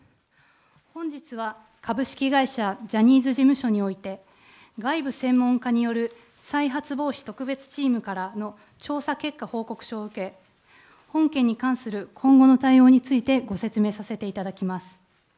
本日は、株式会社ジャニーズ事務所において、外部専門家による再発防止特別チームからの調査結果報告書を受け、本件に関する今後の対応についてご説明させていただきます。